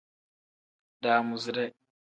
Daamuside.